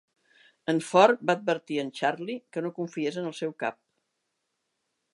En Fort va advertir en Charley que no confiés en el seu cap.